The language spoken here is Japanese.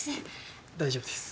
大丈夫です。